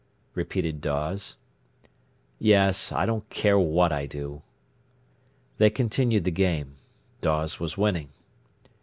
repeated Dawes. "Yes; I don't care what I do." They continued the game. Dawes was winning.